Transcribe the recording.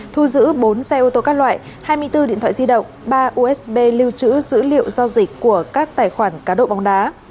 thu giữ bốn xe ô tô các loại hai mươi bốn điện thoại di động ba usb lưu trữ dữ liệu giao dịch của các tài khoản cá độ bóng đá